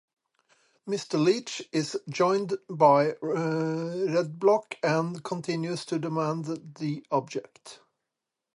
Mr. Leech is joined by Redblock and continues to demand the object.